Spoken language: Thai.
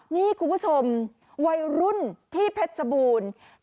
นี่คุณผู้ชมวัยรุ่นที่เพชรบูรณ์